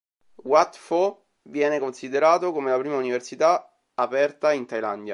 Wat Pho viene considerato come la prima università aperta in Thailandia.